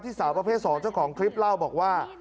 สาวประเภท๒เจ้าของคลิปเล่าบอกว่า